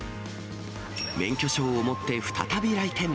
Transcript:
免許証を持って、再び来店。